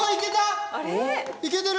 いけてる！